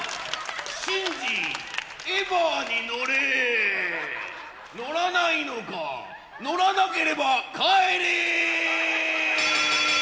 シンジエヴァに乗れ乗らないのか乗らなければ帰れー